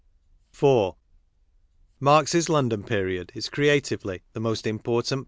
IV. ,1 Marx's London period is, creatively, the most im portant